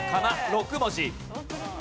６文字。